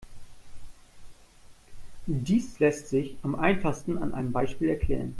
Dies lässt sich am einfachsten an einem Beispiel erklären.